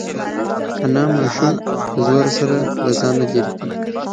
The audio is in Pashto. انا ماشوم په زور سره له ځانه لرې کړ.